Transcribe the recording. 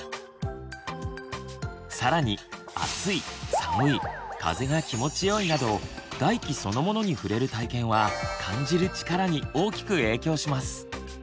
更に暑い寒い風が気持ちよいなど外気そのものに触れる体験は「感じる力」に大きく影響します。